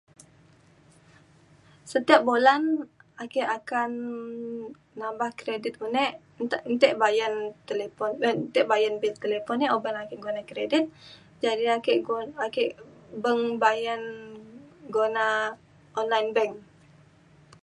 setiap bulan ake akan nambah kredit unek untuk bayan talipon untuk bayan bil talipon e uban ake guna kredit. ja ne na ake gu- ake beng bayan guna online bank